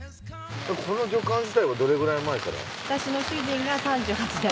この旅館自体はどれくらい前から？